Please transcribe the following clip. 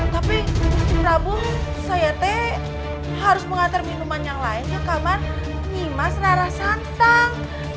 tapi prabu saya teh harus mengantar minuman yang lain ke kamar nimas rara santang